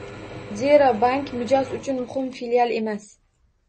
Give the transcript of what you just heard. Zero, bank mijoz uchun muhim, filial emas